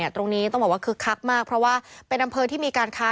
ตรงนี้ต้องบอกว่าคึกคักมากเพราะว่าเป็นอำเภอที่มีการค้า